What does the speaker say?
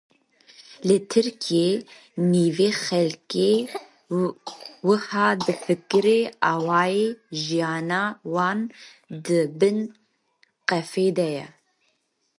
Li Tirkiyê nîvê xelkê wiha difikirin awayê jiyana wan di bin gefê de ye